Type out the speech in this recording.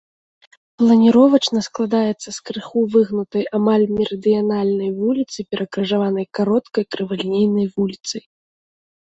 Планіровачна складаецца з крыху выгнутай амаль мерыдыянальнай вуліцы, перакрыжаванай кароткай крывалінейнай вуліцай.